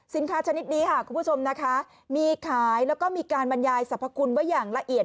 ชนิดนี้ค่ะคุณผู้ชมนะคะมีขายแล้วก็มีการบรรยายสรรพคุณไว้อย่างละเอียด